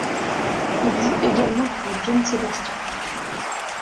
Il joue également pour John Sebastian.